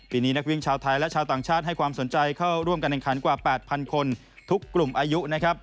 นี้นักวิ่งชาวไทยและชาวต่างชาติให้ความสนใจเข้าร่วมการแข่งขันกว่า๘๐๐คนทุกกลุ่มอายุนะครับ